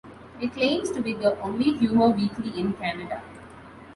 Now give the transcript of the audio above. It claims to be the only humour weekly in Canada.